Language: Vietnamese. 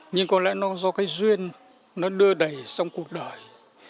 nhưng có lẽ nó do cái duyên nó đưa đầy xong cuộc đời